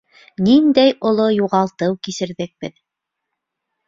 Ниндәй оло юғалтыу кисерҙек беҙ!